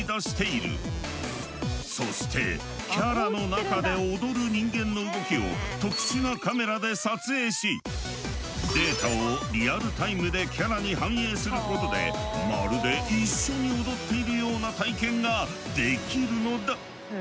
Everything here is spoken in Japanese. そしてキャラの中で踊る人間の動きを特殊なカメラで撮影しデータをリアルタイムでキャラに反映することでまるで一緒に踊っているような体験ができるのだ。